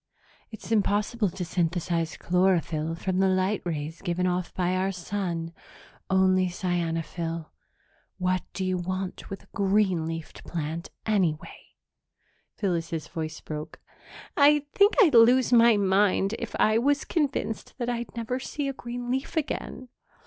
It's impossible to synthesize chlorophyll from the light rays given off by our sun only cyanophyll. What do you want with a green leafed plant, anyway?" Phyllis's voice broke. "I think I'd lose my mind if I was convinced that I'd never see a green leaf again.